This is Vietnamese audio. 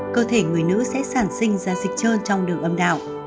cơ thể người nữ sẽ sản sinh ra dịch trơn trong đường âm đạo